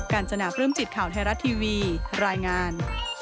การสนาพรื่มจิตข่าวไทยรัฐทีวีรายงาน